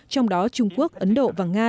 trong đó trung quốc ấn độ và nga